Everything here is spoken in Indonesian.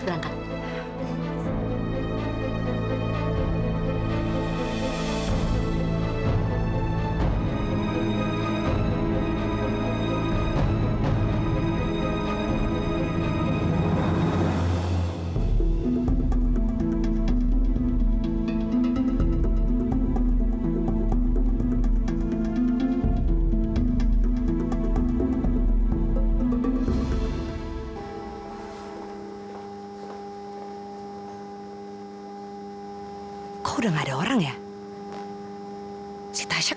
yang terhormat tasha